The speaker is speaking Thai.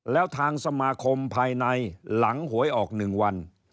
แล้วทางสมาคมภายในหลังหวยออก๑วัน